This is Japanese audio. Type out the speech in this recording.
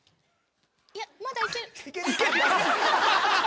いやまだいける。